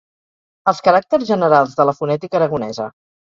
Els caràcters generals de la fonètica aragonesa.